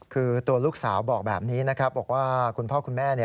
คือตัวลูกสาวบอกแบบนี้นะครับบอกว่าคุณพ่อคุณแม่